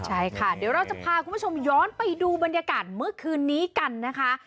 ใช่ค่ะเดี๋ยวเราจะพาคุณผู้ชมย้อนไปดูบรรยากาศเมื่อคืนนี้กันนะคะ